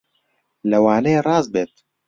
لەوانەیە ڕاست بێت